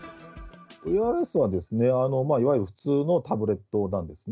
ＶＲＳはいわゆる普通のタブレットなんですね。